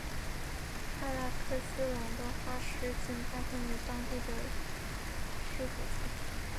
帕拉克西龙的化石仅发现于当地的尸骨层。